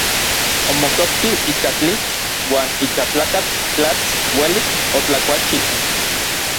Omokopki ika tlitl uan ika tlakatl tlats uelik otlakualchi.